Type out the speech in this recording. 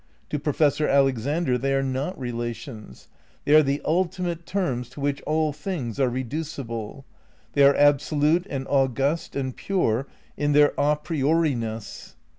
To Professor Alexander they are not relations ; they are the ultimate terms to which all things are reducible ; they are absolute and august and pure in their a ^noriness.